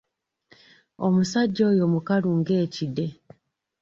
Omusajja oyo mukalu nga Ekide.